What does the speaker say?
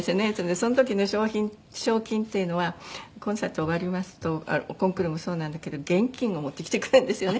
その時の賞金っていうのはコンサート終わりますとコンクールもそうなんだけど現金を持ってきてくれるんですよね。